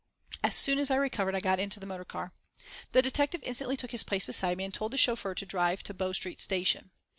As soon as I recovered I got into the motor car. The detective instantly took his place beside me and told the chauffeur to drive to Bow Street Station.